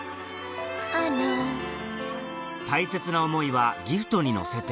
大切な思いはギフトに乗せて